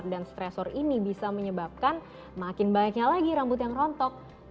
dan stressor ini bisa menyebabkan makin banyaknya lagi rambut yang rontok